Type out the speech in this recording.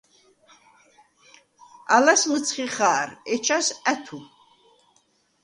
ალას მჷცხი ხა̄რ, ეჩას – ა̈თუ.